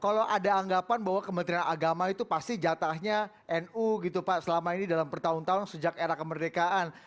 kalau ada anggapan bahwa kementerian agama itu pasti jatahnya nu gitu pak selama ini dalam bertahun tahun sejak era kemerdekaan